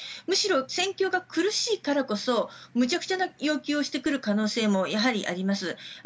むしろ戦況が苦しいからこそ無茶苦茶な要求をしてくる可能性もやはりあります。